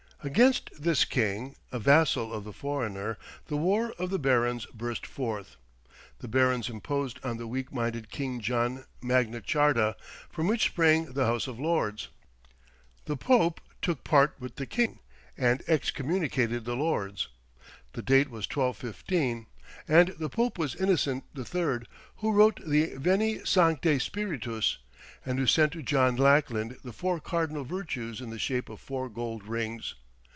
Against this king, a vassal of the foreigner, the War of the Barons burst forth. The barons imposed on the weak minded King John Magna Charta, from which sprang the House of Lords. The pope took part with the king, and excommunicated the lords. The date was 1215, and the pope was Innocent III., who wrote the "Veni, Sancte Spiritus," and who sent to John Lackland the four cardinal virtues in the shape of four gold rings.